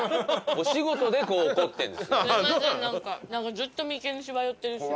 ずっと眉間にしわ寄ってるし。